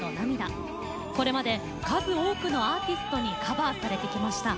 これまで数多くのアーティストにカバーされてきました。